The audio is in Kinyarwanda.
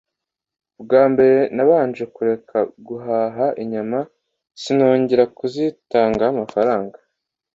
Bwa mbere nabanje kureka guhaha inyama sinongera kuzitangaho amafaranga